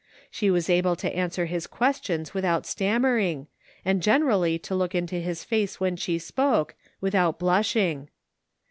She was able to answer his questions without stammering, and generally to look into his face when she spoke, without blushing.